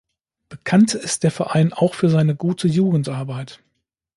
Bekannt ist der Verein auch für seine gute Jugendarbeit.